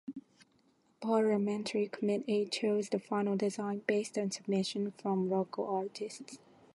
A parliamentary committee chose the final design based on submissions from local artists.